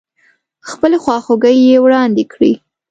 خپلې خواخوږۍ يې واړندې کړې.